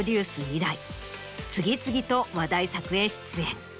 以来次々と話題作へ出演。